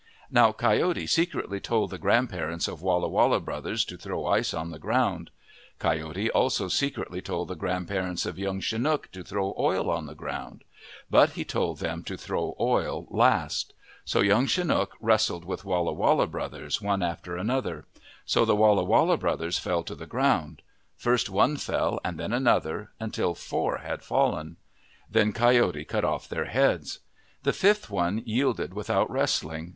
Now Coyote secretly told the grandparents of Walla Walla brothers to throw ice on the ground. Coyote also secretly told the grandparents of Young Chinook to throw oil on the ground. But he told them to throw oil last. So young Chinook wrestled 7* OF THE PACIFIC NORTHWEST with Walla Walla brothers, one after another. So the Walla Walla brothers fell to the ground. First one fell and then another, until four had fallen. Then Coyote cut off their heads. The fifth one yielded without wrestling.